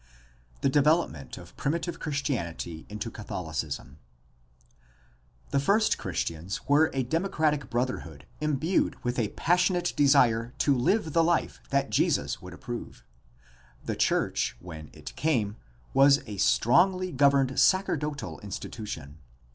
The development of primitive Christianity into Catholicism. — The first Christians were a democratic brotherhood imbued with a passionate desire to live the life that Jesus would approve. The church when it came was a strongly governed sacerdotal institution.